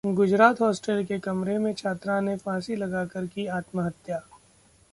Gujarat hostel के कमरे में छात्रा ने फांसी लगाकर की आत्महत्या